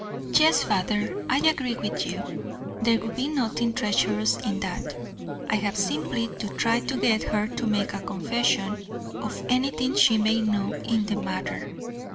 "Yes, father, I agree with you. There would be nothing treacherous in that. I have simply to try to get her to make a confession of anything she may know in the matter.